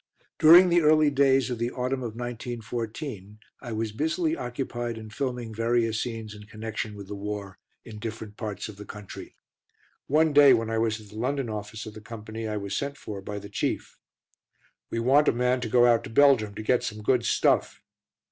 During the early days of the autumn of 1914 I was busily occupied in filming various scenes in connection with the war in different parts of the country. One day when I was at the London office of the Company I was sent for by the Chief. "We want a man to go out to Belgium and get some good 'stuff.'